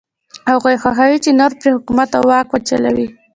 هغوی خوښوي چې نور پرې حکومت او واک وچلوي.